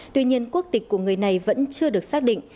tuy nhiên quốc tịch của người này vẫn chưa được xác định